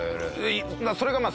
それがまあ